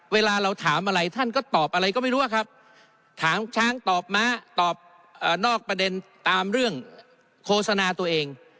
เวลาเราถามอะไรท่านก็ตอบอะไรก็ไม่รู้ครับถามช้างตอบม้าตอบนอกประเด็นตามเรื่องโฆษณาตัวเอง